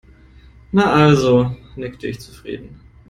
Na also, nickte ich zufrieden.